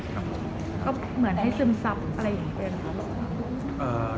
ก็เหมือนให้ซึมซับอะไรอย่างนั้น